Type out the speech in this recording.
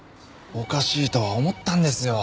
おかしいとは思ったんですよ。